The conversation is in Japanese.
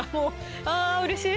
あぁうれしい！